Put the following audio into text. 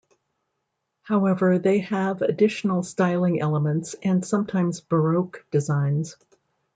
However, they have additional styling elements and sometimes "baroque" designs.